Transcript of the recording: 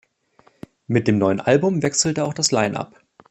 Mit dem neuen Album wechselte auch das Line-Up.